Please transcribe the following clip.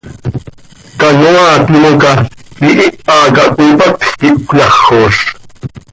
Canoaa timoca ihiha cah cöipatj quih cöyajoz.